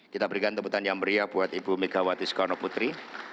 kita berikan teputan yang meriah buat ibu megawati soekarno putri